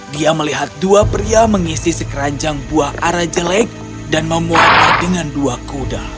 dia melihat dua pria mengisi sekeranjang buah arah jelek dan memuatnya dengan dua kuda